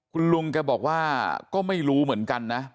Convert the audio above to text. คุณลุงแกบอกว่าก็ไม่รู้เหมือนกันนะ